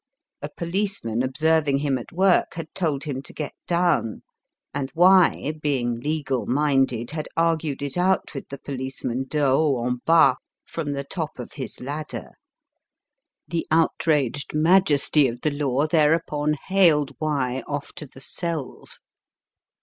A policeman, observing him at work, had told him to get down, and Y., being legal minded, had argued it out with the policeman de haut en has from the top of his ladder. The outraged majesty of the law thereupon haled Y. off to the cells.